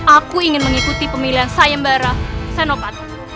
aku ingin mengikuti pemilihan sayembarah senopat